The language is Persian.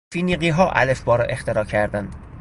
فینیقیها الفبا را اختراع کردند.